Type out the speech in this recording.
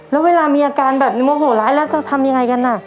แล้วเวลามีอาการแบบนี้โมโหร้ายแล้วจะทำยังไงกันน่ะ